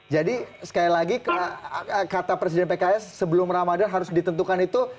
jadi sekali lagi kata presiden pks sebelum ramadhan harus ditentukan itu